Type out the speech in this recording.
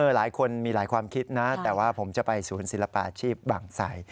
หลายคนมีหลายความคิดนะแต่ว่าผมจะไปศูนย์ศิลปาชีพบางไส